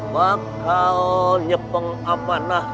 bakal nyepeng amanah